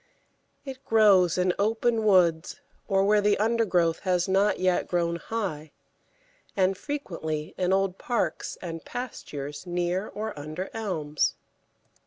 It grows in open woods or where the undergrowth has not yet grown high, and frequently in old parks and pastures near or under elms.